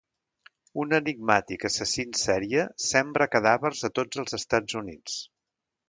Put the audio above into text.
Un enigmàtic assassí en sèrie sembra cadàvers a tots els Estats Units.